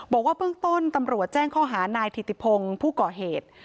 บอกว่าเบื้องต้นตำรวจแจ้งข้อหานายถิติพงศ์ผู้ก่อเหตุ